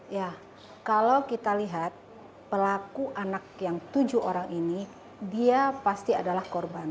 ya kalau kita lihat pelaku anak yang tujuh orang ini dia pasti adalah korban